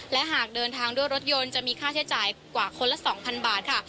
และหากเดินทางด้วยรถยนต์จะมีค่าใช้จ่ายกว่าคนละ๒๐๐บาทค่ะ